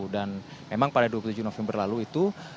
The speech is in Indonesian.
dan memang pada dua puluh tujuh november lalu itu